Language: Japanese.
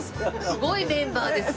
すごいメンバーですね。